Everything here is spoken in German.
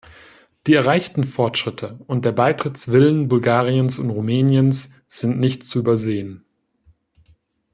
Die erreichten Fortschritte und der Beitrittswillen Bulgariens und Rumäniens sind nicht zu übersehen.